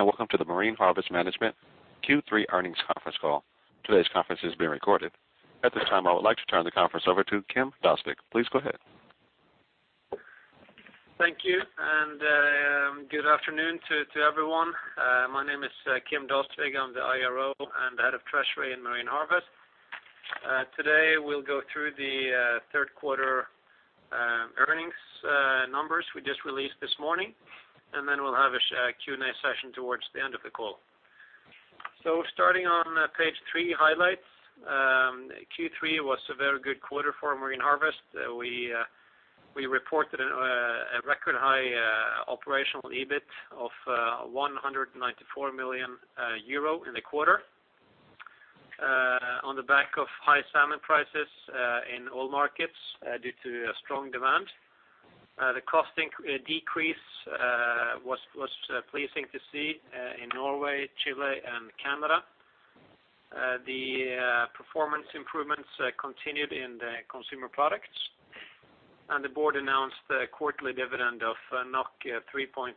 Good day. Welcome to the Mowi Management Q3 Earnings Conference call. Today's conference is being recorded. At this time, I would like to turn the conference over to Kim Døsvig. Please go ahead. Thank you, good afternoon to everyone. My name is Kim Døsvig. I'm the IRO and Head of Treasury in Marine Harvest. Today, we'll go through the third quarter earnings numbers we just released this morning, then we'll have a Q&A session towards the end of the call. Starting on page three, highlights. Q3 was a very good quarter for Marine Harvest. We reported a record-high operational EBIT of 194 million euro in the quarter on the back of high salmon prices in all markets due to strong demand. The costing decrease was pleasing to see in Norway, Chile, and Canada. The performance improvements continued in the Consumer Products. The board announced a quarterly dividend of 3.4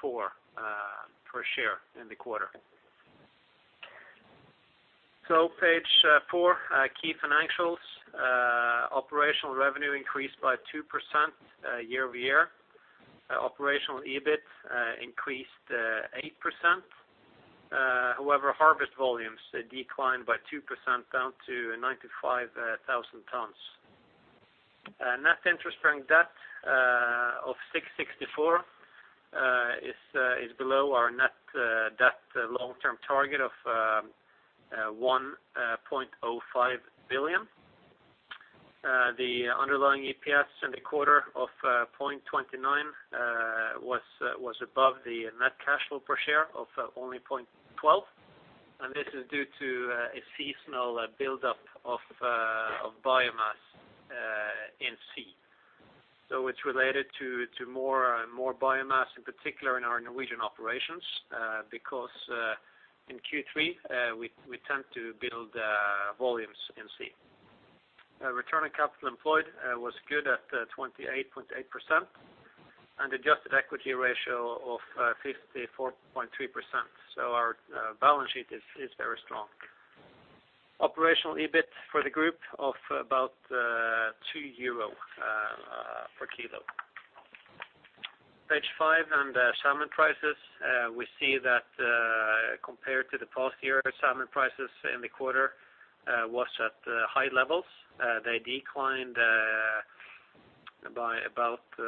per share in the quarter. Page four, key financials. Operational revenue increased by 2% year-over-year. Operational EBIT increased 8%. However, harvest volumes declined by 2%, down to 95,000 tons. Net interest-bearing debt of 664 is below our net debt long-term target of 1.05 billion. The underlying EPS in the quarter of 0.29 was above the net cash flow per share of only 0.12. This is due to a seasonal buildup of biomass in sea. It's related to more biomass, in particular in our Norwegian operations, because in Q3, we tend to build volumes in sea. Return on capital employed was good at 28.8%, adjusted equity ratio of 54.3%. Our balance sheet is very strong. Operational EBIT for the group of about 2 euro per kilo. Page five on the salmon prices. We see that compared to the past year, salmon prices in the quarter was at high levels. They declined by about 6%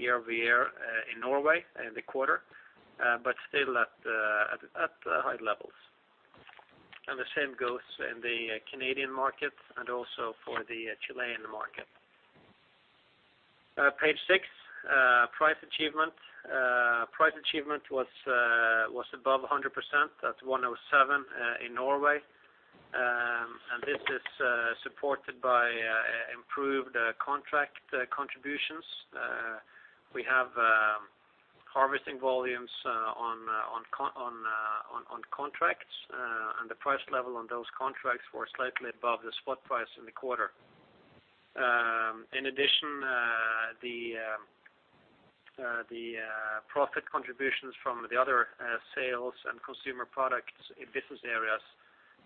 year-over-year in Norway in the quarter, still at high levels. The same goes in the Canadian market and also for the Chilean market. Page six, price achievement. Price achievement was above 100% at 107 in Norway, this is supported by improved contract contributions. We have harvesting volumes on contracts, the price level on those contracts were slightly above the spot price in the quarter. In addition, the profit contributions from the other sales and Consumer Products in business areas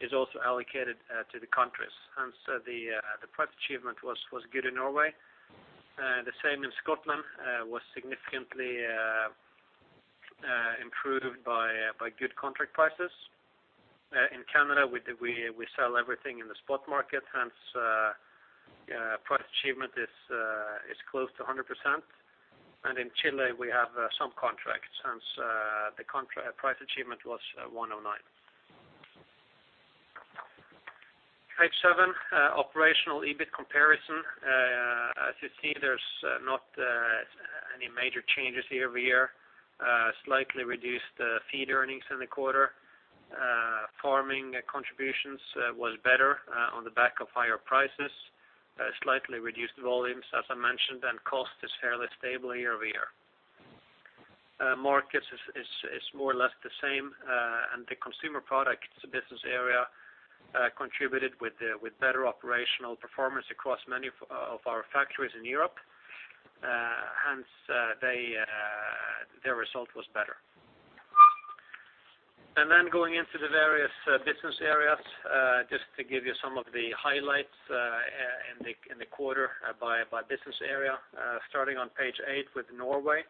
is also allocated to the contracts. The price achievement was good in Norway. The same in Scotland, was significantly improved by good contract prices. In Canada, we sell everything in the spot market, hence price achievement is close to 100%. In Chile, we have some contracts, hence the price achievement was 109. Page seven, operational EBIT comparison. As you see, there's not any major changes year-over-year. Slightly reduced feed earnings in the quarter. Farming contributions was better on the back of higher prices. Slightly reduced volumes, as I mentioned, cost is fairly stable year-over-year. Markets is more or less the same, the Consumer Products business area contributed with better operational performance across many of our factories in Europe, hence their result was better. Going into the various business areas, just to give you some of the highlights in the quarter by business area, starting on page eight with Norway.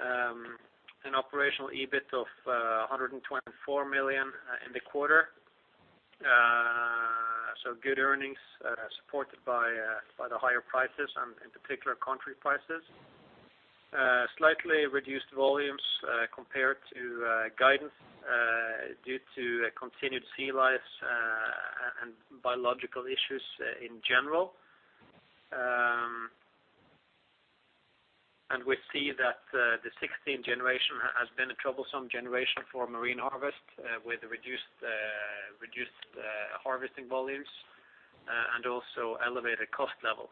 An operational EBIT of 124 million in the quarter. Good earnings supported by the higher prices and, in particular, contract prices. Slightly reduced volumes compared to guidance due to continued sea lice and biological issues in general. We see that the '16 generation has been a troublesome generation for Marine Harvest, with reduced harvesting volumes and also elevated cost level.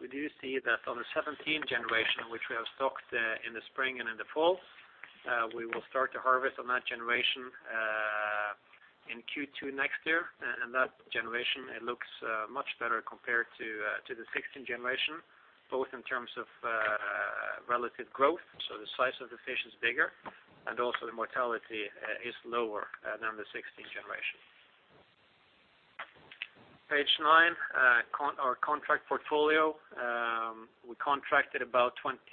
We do see that on the '17 generation, which we have stocked in the spring and in the fall, we will start to harvest on that generation in Q2 next year, and that generation looks much better compared to the '16 generation, both in terms of relative growth, so the size of the fish is bigger, and also the mortality is lower than the '16 generation. Page nine, our contract portfolio. We contracted about 21,000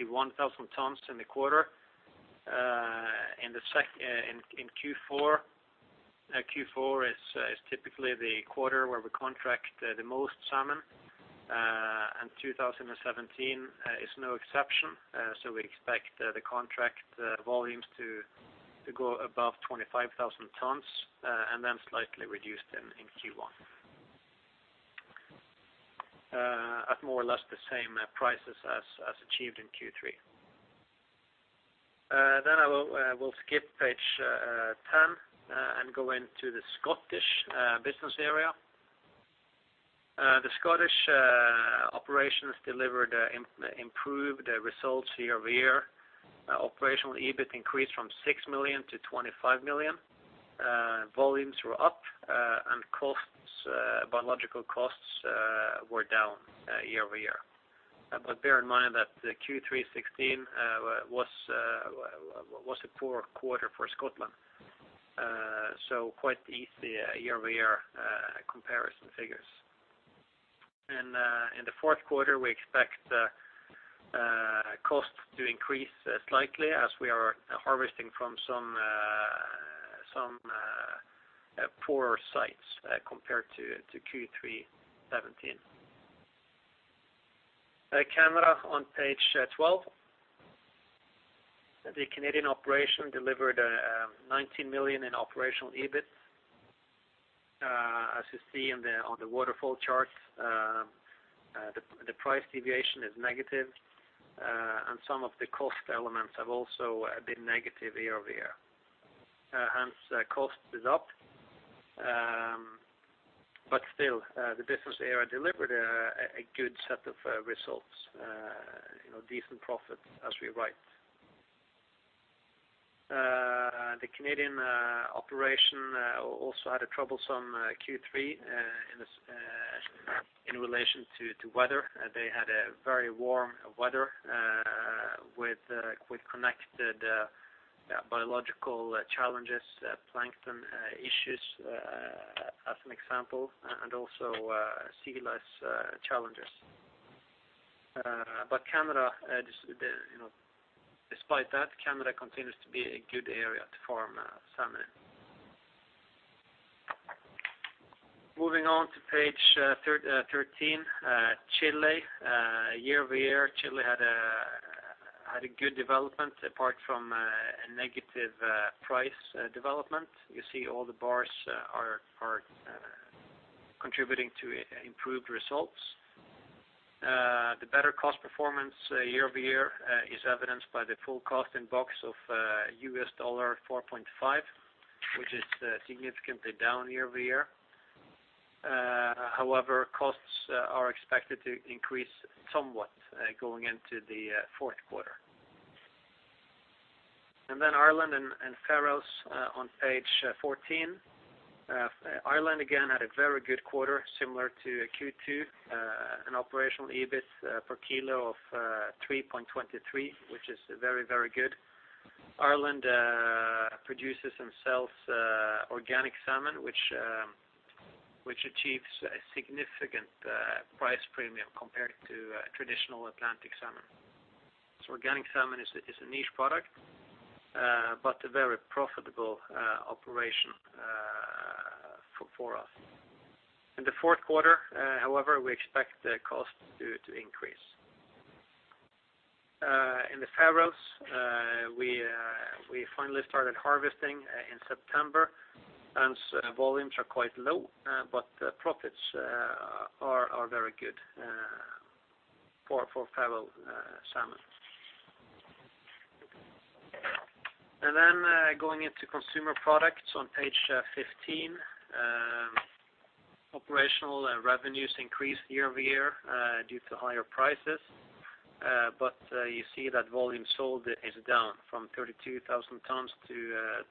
tonnes in the quarter. In Q4 is typically the quarter where we contract the most salmon, and 2017 is no exception. We expect the contract volumes to go above 25,000 tonnes, and then slightly reduced in Q1. At more or less the same prices as achieved in Q3. We'll skip page 10 and go into the Scottish business area. The Scottish operations delivered improved results year-over-year. Operational EBIT increased from 6 million to 25 million. Volumes were up, and biological costs were down year-over-year. Bear in mind that the Q3 '16 was a poor quarter for Scotland. Quite easy year-over-year comparison figures. In the fourth quarter, we expect costs to increase slightly as we are harvesting from some poorer sites compared to Q3 '17. Canada on page 12. The Canadian operation delivered 19 million in operational EBIT. As you see on the waterfall chart, the price deviation is negative. Some of the cost elements have also been negative year-over-year. Hence, cost is up. Still, the business area delivered a good set of results, decent profits as we write. The Canadian operation also had a troublesome Q3 in relation to weather. They had a very warm weather with connected biological challenges, plankton issues, as an example, and also sea lice challenges. Despite that, Canada continues to be a good area to farm salmon. Moving on to page 13, Chile. Year-over-year, Chile had a good development, apart from a negative price development. You see, all the bars are contributing to improved results. The better cost performance year-over-year is evidenced by the full cost in box of $4.5, which is significantly down year-over-year. However, costs are expected to increase somewhat going into the fourth quarter. Then Ireland and Faroes on page 14. Ireland again had a very good quarter, similar to Q2. An operational EBIT per kilo of 3.23, which is very good. Ireland produces and sells organic salmon, which achieves a significant price premium compared to traditional Atlantic salmon. Organic salmon is a niche product, but a very profitable operation for us. In the fourth quarter, however, we expect the cost to increase. In the Faroes, we finally started harvesting in September, hence volumes are quite low, but profits are very good for Faroe salmon. Going into Consumer Products on page 15. Operational revenues increased year-over-year due to higher prices. You see that volume sold is down from 32,000 tonnes to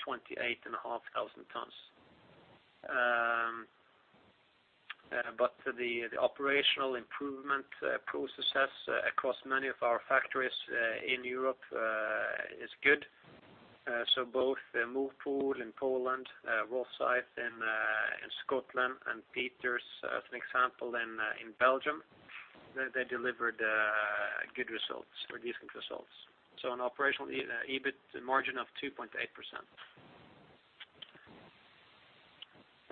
28,500 tonnes. The operational improvement process across many of our factories in Europe is good. Both Morpol in Poland, Rosyth in Scotland, and Pieters, as an example, in Belgium, they delivered good results or decent results. An operational EBIT margin of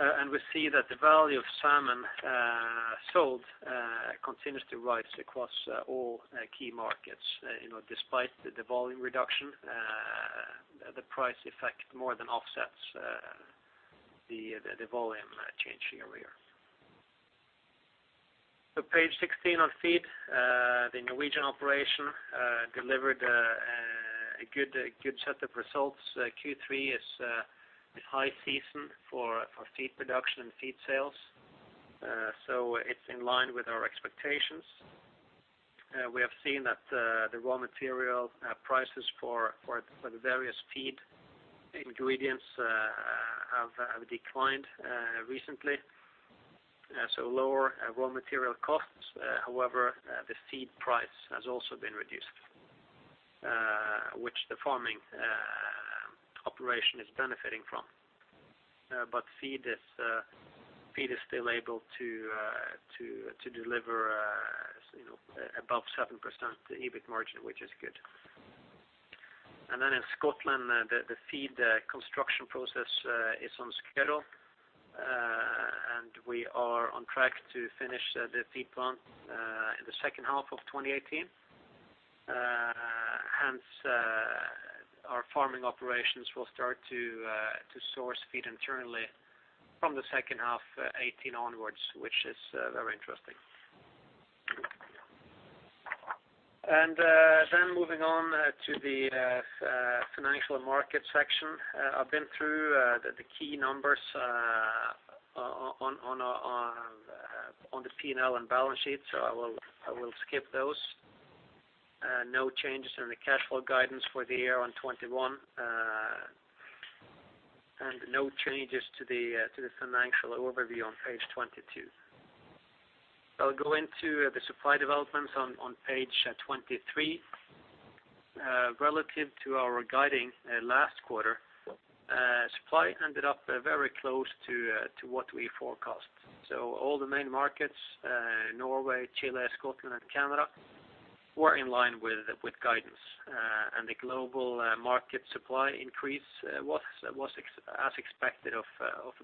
2.8%. We see that the value of salmon sold continues to rise across all key markets. Despite the volume reduction, the price effect more than offsets the volume change year-over-year. Page 16 on feed. The Norwegian operation delivered a good set of results. Q3 is high season for feed production and feed sales. It's in line with our expectations. We have seen that the raw material prices for the various feed ingredients have declined recently. Lower raw material costs. However, the feed price has also been reduced, which the farming operation is benefiting from. Feed is still able to deliver above 7% EBIT margin, which is good. In Scotland, the feed construction process is on schedule. We are on track to finish the feed plant in the second half of 2018. Hence, our farming operations will start to source feed internally from the second half 2018 onwards, which is very interesting. Moving on to the financial and market section. I've been through the key numbers on the P&L and balance sheet. I will skip those. No changes in the cash flow guidance for the year on 21. No changes to the financial overview on page 22. I'll go into the supply developments on page 23. Relative to our guiding last quarter, supply ended up very close to what we forecast. All the main markets, Norway, Chile, Scotland and Canada, were in line with guidance. The global market supply increase was as expected of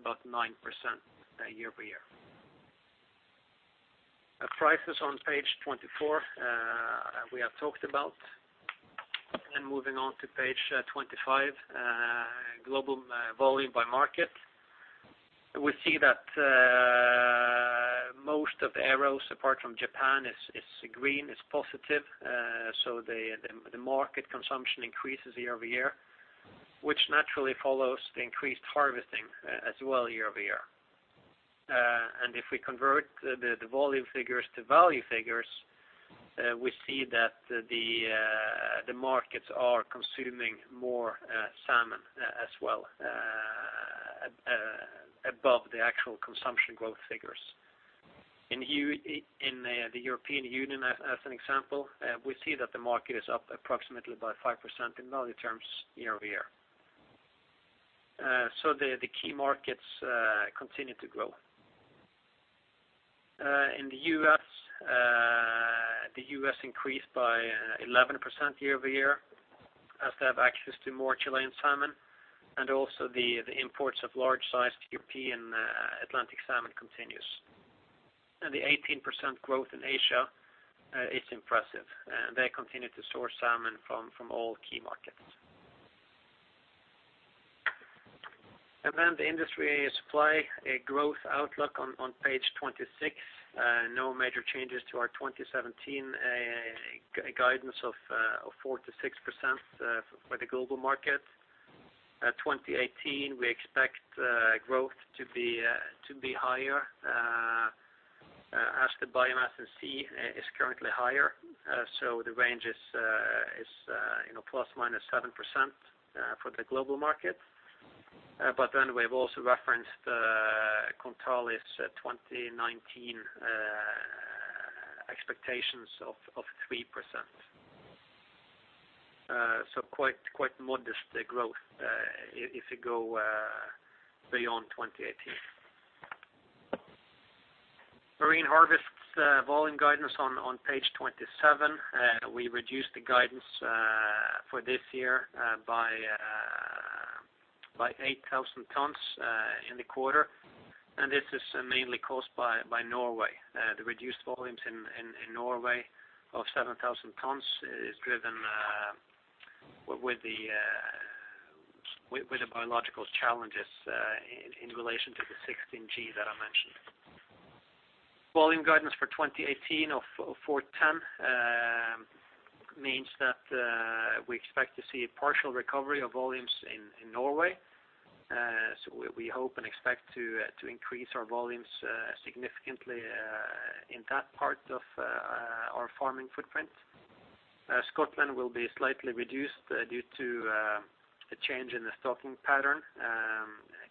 about 9% year-over-year. Prices on page 24, we have talked about. Moving on to page 25, global volume by market. We see that most of the arrows, apart from Japan is green, is positive. The market consumption increases year-over-year, which naturally follows the increased harvesting as well year-over-year. If we convert the volume figures to value figures, we see that the markets are consuming more salmon as well above the actual consumption growth figures. In the European Union, as an example, we see that the market is up approximately by 5% in value terms year-over-year. The key markets continue to grow. In the U.S., the U.S. increased by 11% year-over-year as they have access to more Chilean salmon, and also the imports of large-sized European Atlantic salmon continues. The 18% growth in Asia is impressive. They continue to source salmon from all key markets. The industry supply growth outlook on page 26. No major changes to our 2017 guidance of 4%-6% for the global market. 2018, we expect growth to be higher as the biomass in sea is currently higher. The range is ±7% for the global market. We've also referenced Kontali's 2019 expectations of 3%. Quite modest growth if you go beyond 2018. Marine Harvest volume guidance on page 27. We reduced the guidance for this year by 8,000 tonnes in the quarter, and this is mainly caused by Norway. The reduced volumes in Norway of 7,000 tonnes is driven with the biological challenges in relation to the 16-G that I mentioned. Volume guidance for 2018 of 410 means that we expect to see a partial recovery of volumes in Norway. We hope and expect to increase our volumes significantly in that part of our farming footprint. Scotland will be slightly reduced due to a change in the stocking pattern.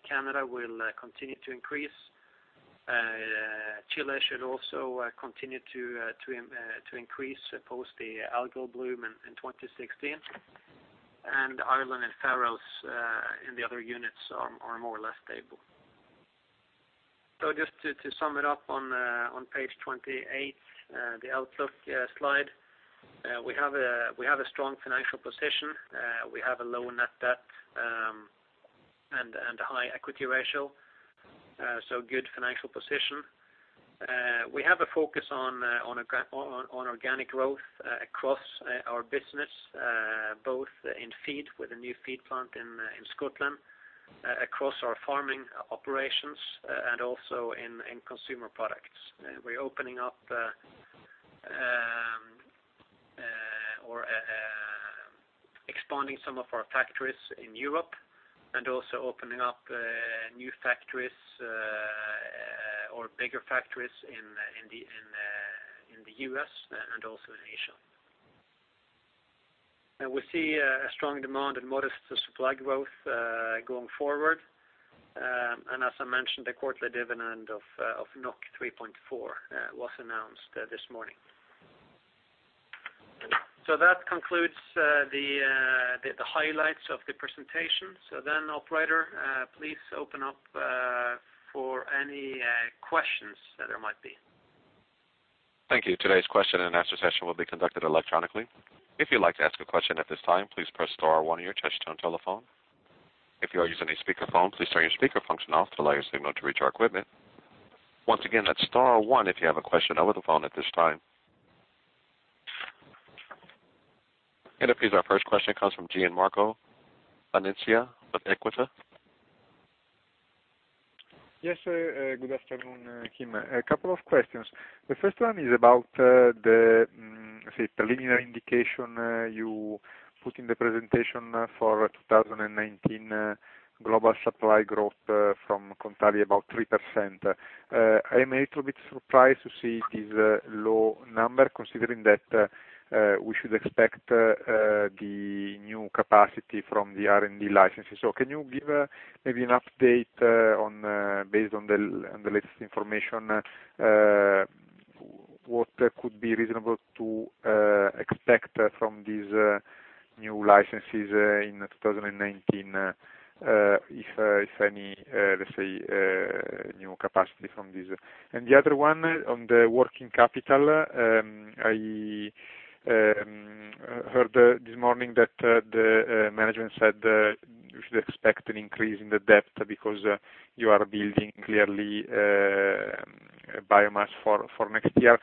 Canada will continue to increase. Chile should also continue to increase post the algal bloom in 2016. Ireland and Faroes, and the other units are more or less stable. Just to sum it up on page 28, the outlook slide. We have a strong financial position. We have a low net debt and a high equity ratio, so good financial position. We have a focus on organic growth across our business, both in feed with a new feed plant in Scotland, across our farming operations, and also in Consumer Products. We're expanding some of our factories in Europe and also opening up new factories or bigger factories in the U.S. and also in Asia. We see a strong demand and modest supply growth going forward. As I mentioned, the quarterly dividend of 3.4 was announced this morning. That concludes the highlights of the presentation. Operator, please open up for any questions that there might be. Thank you. Today's question-and-answer session will be conducted electronically. If you'd like to ask a question at this time, please press star one on your touchtone telephone. If you're using a speakerphone, please turn your speaker function off to let your signal to reach our equipment. Once again, that's star one if you have a question. It appears our first question comes from Gianmarco Bonacina with EQUITA. Yes, sir. Good afternoon, Kim. A couple of questions. The first one is about the preliminary indication you put in the presentation for 2019 global supply growth from Kontali, about 3%. I am a little bit surprised to see this low number, considering that we should expect the new capacity from the development licenses. Can you give maybe an update based on the latest information, what could be reasonable to expect from these new licenses in 2019, if any, let's say, new capacity from these? The other one on the working capital. I heard this morning that the management said we should expect an increase in the debt because you are building clearly biomass for next year.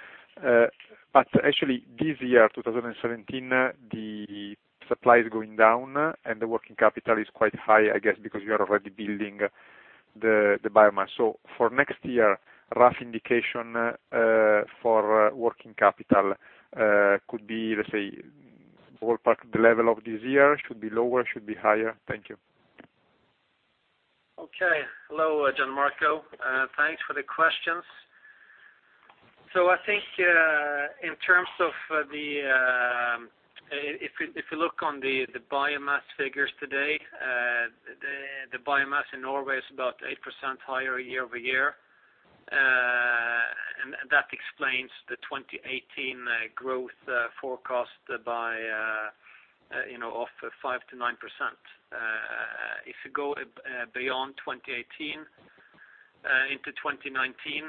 Actually, this year, 2017, the supply is going down, and the working capital is quite high, I guess, because you are already building the biomass. For next year, a rough indication for working capital could be, let's say, ballpark the level of this year? Should be lower, should be higher? Thank you. Hello, Gianmarco. Thanks for the questions. I think if you look on the biomass figures today, the biomass in Norway is about 8% higher year-over-year. That explains the 2018 growth forecast of 5%-9%. If you go beyond 2018 into 2019,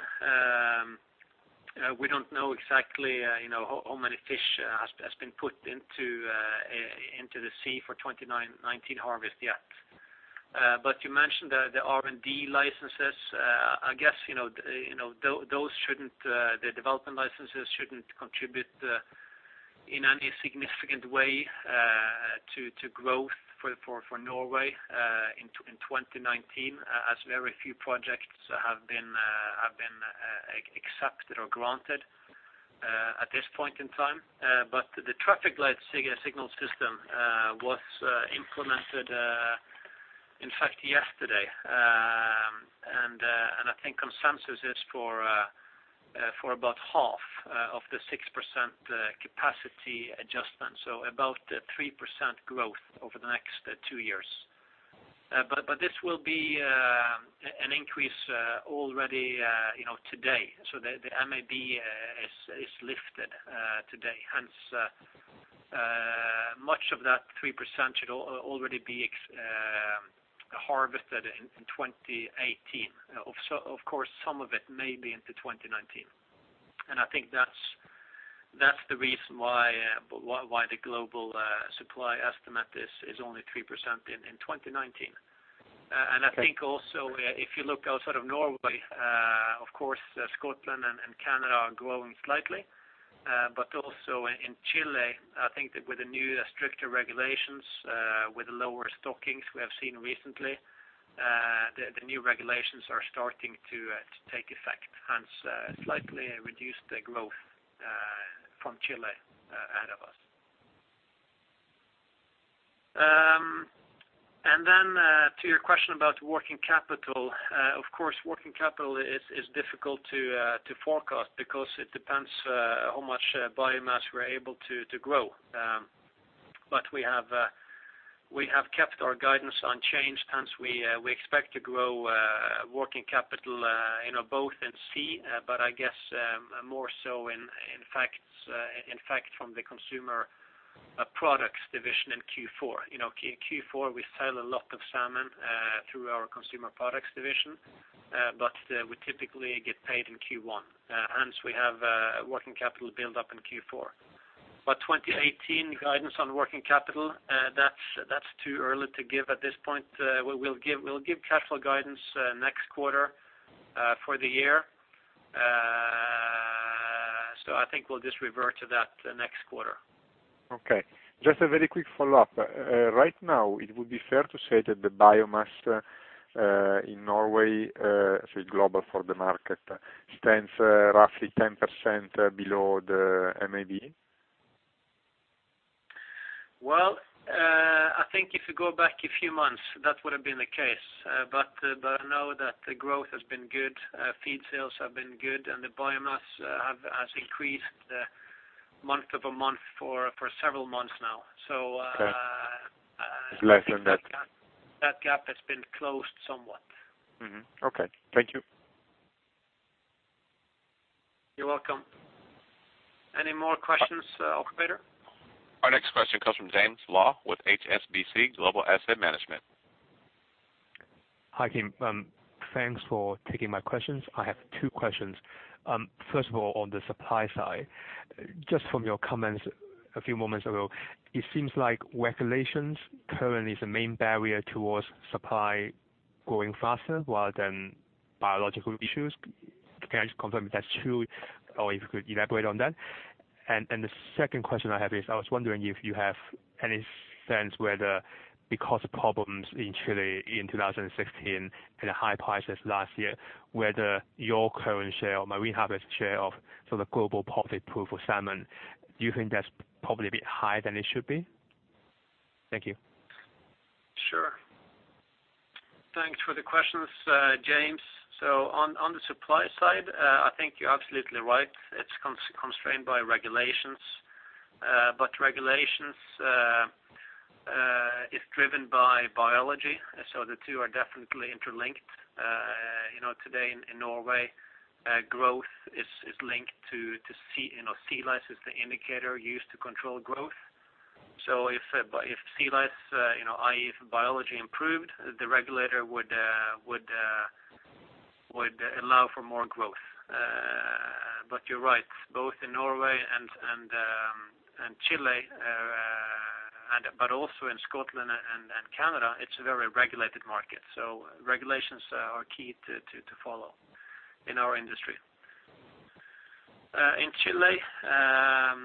we don't know exactly how many fish has been put into the sea for 2019 harvest yet. You mentioned the R&D licenses. I guess the development licenses shouldn't contribute in any significant way to growth for Norway in 2019, as very few projects have been accepted or granted at this point in time. The traffic light signal system was implemented, in fact, yesterday. I think consensus is for about half of the 6% capacity adjustment, so about 3% growth over the next two years. This will be an increase already today. The MAB is lifted today, hence much of that 3% should already be harvested in 2018. Of course, some of it may be into 2019. I think that's the reason why the global supply estimate is only 3% in 2019. I think also if you look outside of Norway, of course, Scotland and Canada are growing slightly. Also in Chile, I think that with the new stricter regulations with lower stockings we have seen recently, the new regulations are starting to take effect, hence slightly reduced growth from Chile ahead of us. To your question about working capital. Of course, working capital is difficult to forecast because it depends how much biomass we're able to grow. We have kept our guidance unchanged, hence we expect to grow working capital both in sea, but I guess more so in fact from the Consumer Products division in Q4. Q4, we sell a lot of salmon through our Consumer Products division, but we typically get paid in Q1, hence we have working capital build up in Q4. 2018 guidance on working capital. That's too early to give at this point. We'll give cash flow guidance next quarter for the year. I think we'll just revert to that next quarter. Okay. Just a very quick follow-up. Right now, it would be fair to say that the biomass in Norway, global for the market, stands roughly 10% below the MAB. Well, I think if you go back a few months, that would've been the case. I know that the growth has been good, feed sales have been good, and the biomass has increased month-over-month for several months now. Okay. It's less than that. That gap has been closed somewhat. Okay. Thank you. You're welcome. Any more questions, operator? Our next question comes from James Law with HSBC Global Asset Management. Hi, Kim. Thanks for taking my questions. I have two questions. First of all, on the supply side, just from your comments a few moments ago, it seems like regulations currently is the main barrier towards supply growing faster rather than biological issues. Can I just confirm if that's true or if you could elaborate on that? The second question I have is, I was wondering if you have any sense whether, because of problems in Chile in 2016 and the high prices last year, whether your current share or Marine Harvest share of the global profit pool for salmon, do you think that's probably a bit higher than it should be? Thank you. Sure. Thanks for the questions, James. On the supply side, I think you're absolutely right. It's constrained by regulations. Regulations is driven by biology; the two are definitely interlinked. Today in Norway, growth is linked to sea lice as the indicator used to control growth. If sea lice, i.e., if biology improved, the regulator would allow for more growth. You're right, both in Norway and Chile, but also in Scotland and Canada, it's a very regulated market, regulations are key to follow in our industry. In Chile, I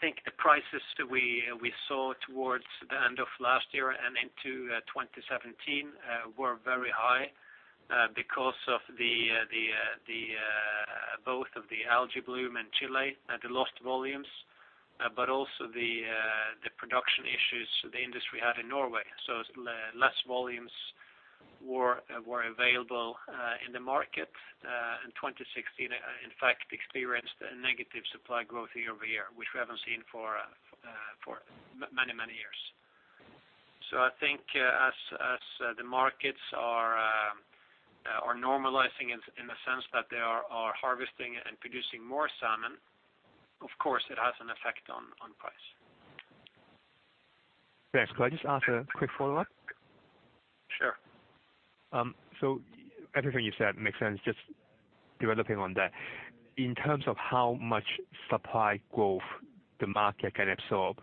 think the prices we saw towards the end of last year and into 2017 were very high because of both of the algal bloom in Chile and the lost volumes, but also the production issues the industry had in Norway. Less volumes were available in the market, and 2016, in fact, experienced a negative supply growth year-over-year, which we haven't seen for many years. I think as the markets are normalizing in the sense that they are harvesting and producing more salmon, of course, it has an effect on price. Thanks. Could I just ask a quick follow-up? Sure. Everything you said makes sense, just developing on that. In terms of how much supply growth the market can absorb,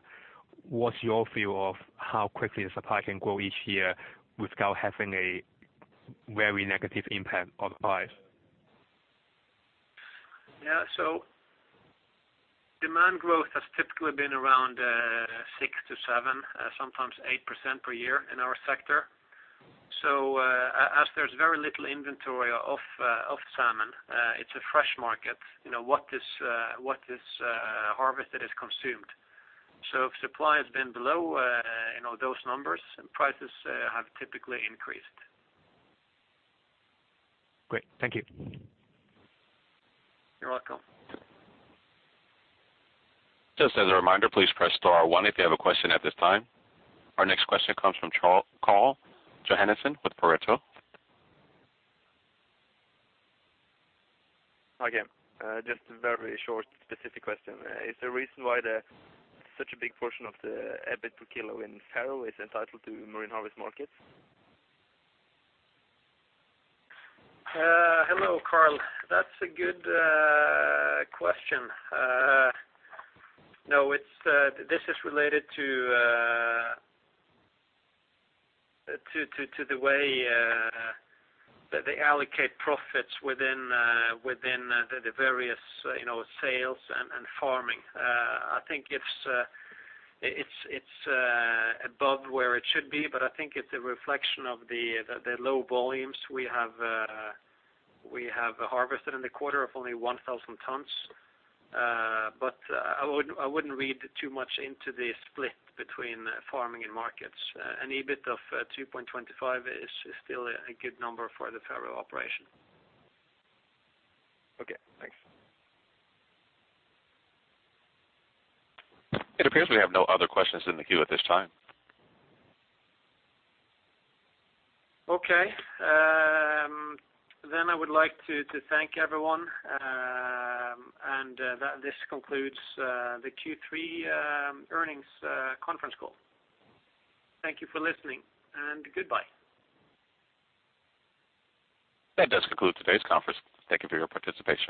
what's your view of how quickly the supply can grow each year without having a very negative impact on price? Yeah. Demand growth has typically been around 6%-7%, sometimes 8% per year in our sector. As there's very little inventory of salmon, it's a fresh market. What is harvested is consumed. If supply has been below those numbers, prices have typically increased. Great. Thank you. You're welcome. Just as a reminder, please press star one if you have a question at this time. Our next question comes from Carl Johannessen with Pareto. Hi, again. Just a very short, specific question. Is there a reason why such a big portion of the EBIT per kilo in Faroe is entitled to Marine Harvest Markets? Hello, Carl. That's a good question. No, this is related to the way that they allocate profits within the various sales and farming. I think it's above where it should be, but I think it's a reflection of the low volumes we have harvested in the quarter, of only 1,000 tons. I wouldn't read too much into the split between farming and markets. An EBIT of 2.25 is still a good number for the Faroe operation. Okay, thanks. It appears we have no other questions in the queue at this time. I would like to thank everyone, and this concludes the Q3 earnings conference call. Thank you for listening, and goodbye. That does conclude today's conference. Thank you for your participation.